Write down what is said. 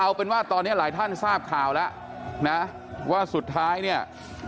เอาเป็นว่าตอนนี้หลายท่านทราบข่าวแล้วนะว่าสุดท้ายเนี่ย